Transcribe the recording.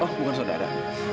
oh bukan saudara